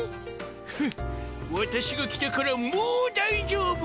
フッわたしが来たからもう大丈夫。